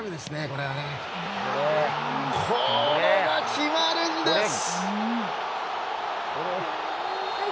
これが決まるんです！